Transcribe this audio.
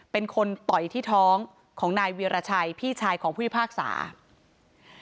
เป็นคนต่อยที่ท้องของนายวีรชัยพี่ชายของพุทธภาคศาสตร์